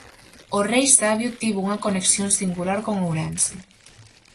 O Rei Sabio tivo unha conexión singular con Ourense.